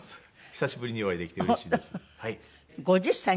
久しぶりにお会いできてうれしいです。